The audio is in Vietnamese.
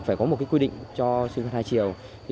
phải có một quy định cho sinh hoạt hai chiều